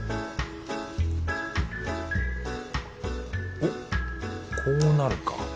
おっこうなるか。